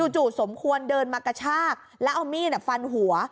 สมควรเดินมากระชากแล้วเอามีดฟันหัว